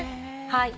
はい。